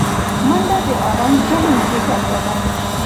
منډه د آرام ذهن زیږنده ده